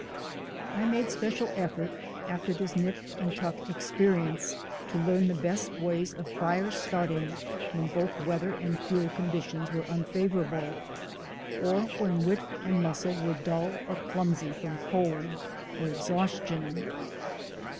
I made special efforts, after this nip and tuck experience, to learn the best ways of fire starting when both weather and fuel conditions were un i 4 2 THE ADVENTURES OF A NATURE GUIDE favourable, or when wit and muscle were dull or clumsy from cold or exhaustion.